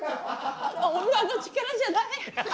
女の力じゃない。